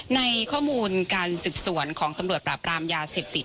ในข้อมูลการสิบส่วนของธปราบรามยาเสพติด